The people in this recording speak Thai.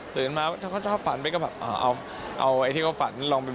ตื่นมาถึงเขาชอบฝันไปก็แบบเอาไอที่เขาฝันลองไป